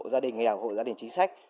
gia đình nghèo hộ gia đình chính sách